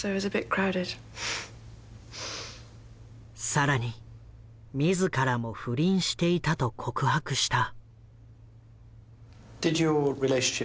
更に自らも不倫していたと告白した。